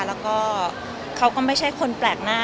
แล้วก็เขาก็ไม่ใช่คนแปลกหน้า